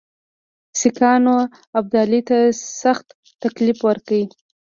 سیکهانو ابدالي ته سخت تکلیف ورکړ.